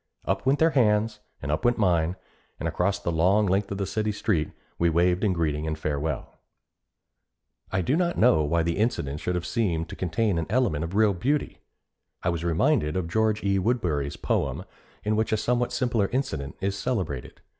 Up went their hands and up went mine, and across the long length of city street, we waved in greeting and farewell. I do not know why the incident should have seemed to contain an element of real beauty. I was reminded of George E. Woodberry's poem in which a somewhat similar incident is celebrated.